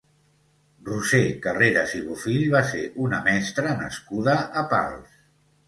Roser Carreras i Bofill va ser una mestra nascuda a Pals.